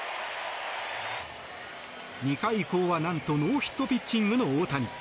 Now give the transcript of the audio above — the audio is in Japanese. ２回以降は何とノーヒットピッチングの大谷。